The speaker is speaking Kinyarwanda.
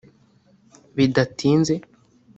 Bidatinze